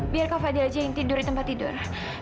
biar kau fadil aja yang tidur di tempat tidur